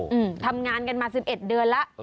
อืมทำงานกันมา๑๑เดือนละ